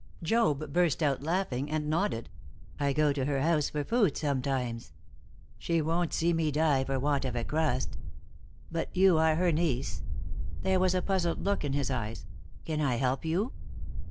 Job burst out laughing, and nodded. "I go to her house for food sometimes. She won't see me die for want of a crust. But you are her niece," there was a puzzled look in his eyes. "Can I help you?"